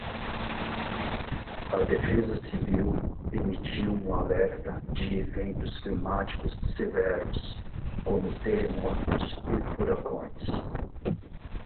A defesa civil emitiu um alerta de eventos climáticos severos, como terremotos e furacões